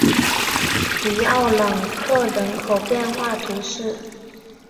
皮奥朗克人口变化图示